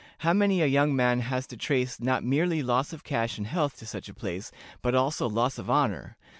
How many a young man has to trace not merely loss of cash and health to such a place, but also loss of honor!